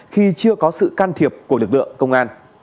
khi chưa có sự can thiệp của lực lượng công an